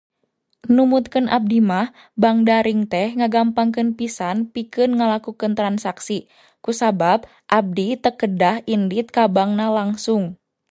Numutkeun abdi mah, bank daring teh ngagampangkeun pisan pikeun ngalakukeun transaksi kusabab abdi teu kedah indit ka bank na langsung.